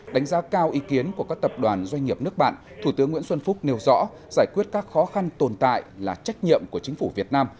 đánh giá cao ý kiến của các tập đoàn doanh nghiệp nước bạn thủ tướng nguyễn xuân phúc nêu rõ giải quyết các khó khăn tồn tại là trách nhiệm của chính phủ việt nam